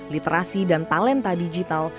literasi dan talenta digital